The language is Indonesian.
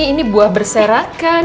ini buah berserakan